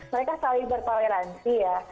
mereka selalu berpoleransi ya